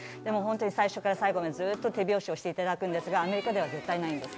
最初から最後までずっと手拍子していただくんですが、アメリカでは絶対ないです。